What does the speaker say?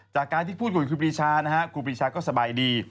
จากการที่พูดคุยกับครูปีชานะฮะครูปีชาก็สบายดี